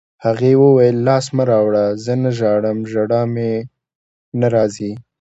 هغې وویل: لاس مه راوړه، زه نه ژاړم، ژړا مې نه راځي.